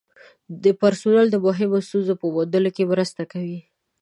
د پرسونل د مهمو ستونزو په موندلو کې مرسته کوي.